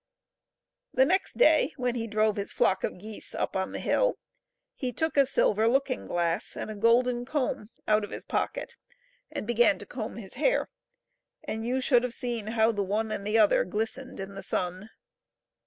The next day, when he drove his flock of geese up on the hill, he took a silver looking glass and a golden comb out of his pocket and began to comb his hair, and you should have seen how the one and the other glistened in the sun.